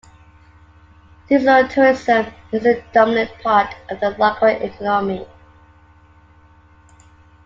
Seasonal tourism is a dominant part of the local economy.